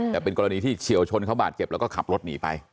แต่เป็นกรณีที่เฉียวชนเขาบาดเจ็บแล้วก็ขับรถหนีไป